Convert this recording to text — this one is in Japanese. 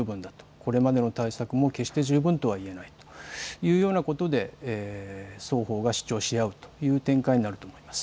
これまでの対策も決して十分とは言えないというようなことで双方が主張し合うという展開になると思います。